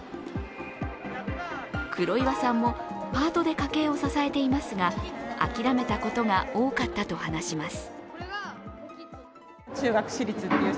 黒岩さんもパートで家計を支えていますが、あきらめたことが多かったと話します。